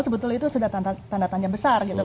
sebetulnya itu sudah tanda tanya besar gitu